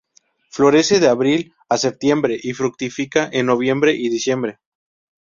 Florece de abril a septiembre y fructifica en noviembre y diciembre.